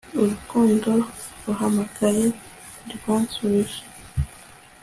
urukundo nahamagaye ntirwansubije